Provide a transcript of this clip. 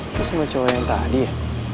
itu sama cowok yang tadi ya